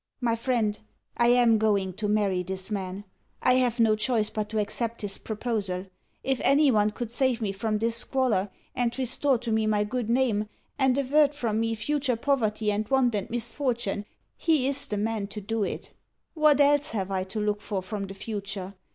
My friend, I am going to marry this man; I have no choice but to accept his proposal. If anyone could save me from this squalor, and restore to me my good name, and avert from me future poverty and want and misfortune, he is the man to do it. What else have I to look for from the future?